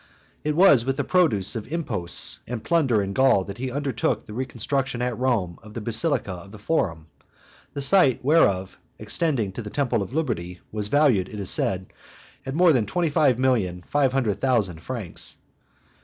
It was with the produce of imposts and plunder in Gaul that he undertook the reconstruction at Rome of the basilica of the Forum, the site whereof, extending to the temple of Liberty, was valued, it is said, at more than twenty million five hundred thousand francs.